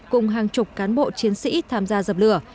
cùng hàng chục cán bộ chiến sĩ tham gia dập lửa